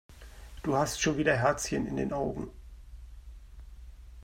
Du hast schon wieder Herzchen in den Augen.